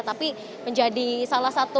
tapi menjadi salah satu